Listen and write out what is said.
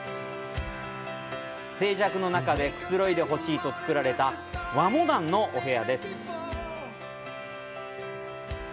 静寂の中でくつろいでほしいと造られた和モダンのお部屋です。